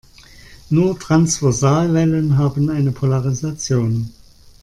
Nur Transversalwellen haben eine Polarisation.